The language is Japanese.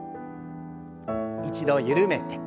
一度緩めて。